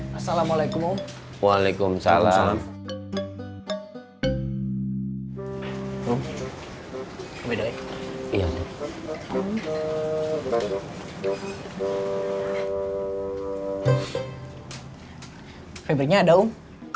peblinya ada om